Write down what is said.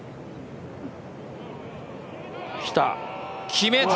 決めた！